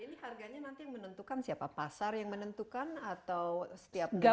ini harganya nanti yang menentukan siapa pasar yang menentukan atau setiap negara